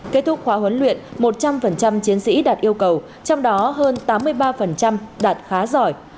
kết thúc khóa huấn luyện một trăm linh chiến sĩ đạt yêu cầu trong đó hơn tám mươi ba đạt khá giỏi